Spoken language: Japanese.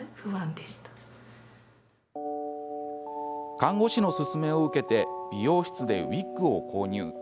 看護師の勧めを受けて美容室でウイッグを購入。